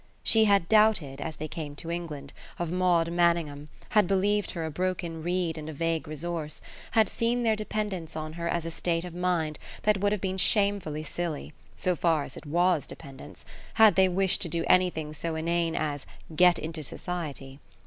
She had doubted, as they came to England, of Maud Manningham, had believed her a broken reed and a vague resource, had seen their dependence on her as a state of mind that would have been shamefully silly so far as it WAS dependence had they wished to do anything so inane as "get into society."